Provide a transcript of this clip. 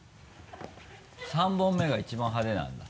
３本目が一番派手なんだ？